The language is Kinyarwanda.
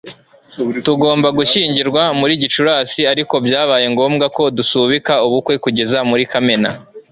tugomba gushyingirwa muri gicurasi ariko byabaye ngombwa ko dusubika ubukwe kugeza muri kamena